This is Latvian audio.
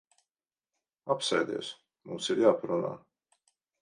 Apsēdies. Mums ir jāparunā.